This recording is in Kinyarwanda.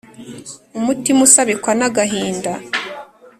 umutima usabikwa n’agahinda